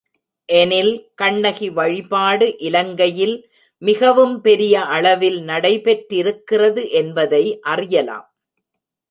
எனில், கண்ணகி வழிபாடு இலங்கையில் மிகவும் பெரிய அளவில் நடைபெற்றிருக்கிறது என்பதை அறியலாம்.